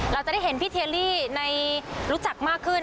เราจะได้เห็นพี่เทียรี่รู้จักมากขึ้น